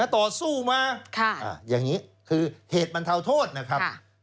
ต่อสู้มาอย่างนี้คือเหตุบรรเทาโทษนะครับ